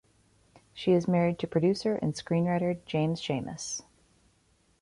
She is married to producer and screenwriter James Schamus.